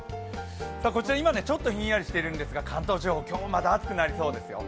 こちら、今、ちょっとひんやりしているんですが、関東地方、今日もまた暑くなりそうですよ。